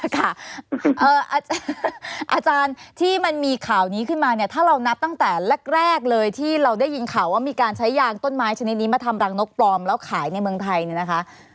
อาจารย์ที่มันมีข่าวนี้ขึ้นมาเนี่ยถ้าเรานับตั้งแต่แรกเลยที่เราได้ยินข่าวว่ามีการใช้ยางต้นไม้ชนิดนี้มาทำรังนกปลอมแล้วขายในเมืองไทยเนี่ยนะคะ